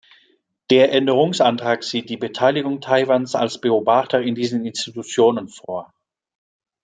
Der Änderungsantrag sieht die Beteiligung Taiwans als Beobachter in diesen Institutionen vor.